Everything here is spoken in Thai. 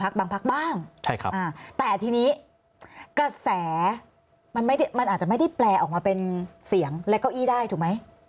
กระแสมันอาจจะไม่ได้แปลออกมาเป็นเสียงและเก้าอี้ได้ถูกไหม